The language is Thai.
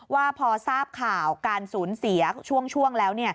ว่าพอทราบข่าวการสูญเสียช่วงแล้ว